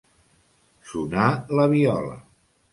Sonar la viola.